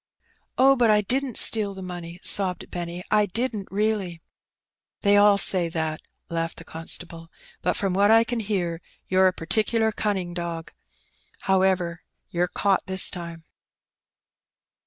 "Oh, but I didn't steal the money/' sobbed Benny, "I didn't reaUy." "They all say that/' laughed the constable; "but from what I can hear, you're a particular cunning dog. However, you're caught this time."